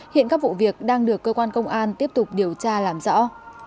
hiện các vụ việc đang được cơ quan công an tiếp tục điều tra làm rõ